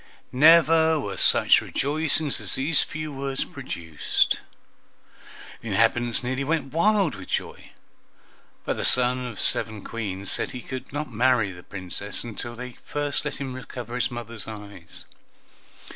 Never were such rejoicings as these few words produced. The inhabitants nearly went wild with joy, but the son of seven Queens said he would not marry the Princess unless they first let him recover his mothers' eyes.